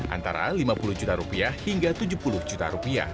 antara rp lima puluh juta hingga rp tujuh puluh juta